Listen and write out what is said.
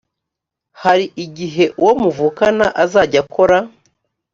hari igihe uwo muvukana azajya akora